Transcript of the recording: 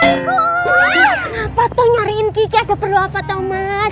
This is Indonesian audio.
ngapa tuh nyariin kiki ada perlu apa tuh mas